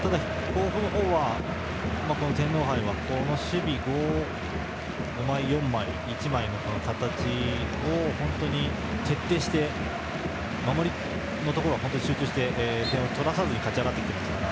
甲府の方は天皇杯は守備の５枚、４枚、１枚の形を本当に徹底して守りのところで集中して点を取らさずに勝ち上がってきていますから。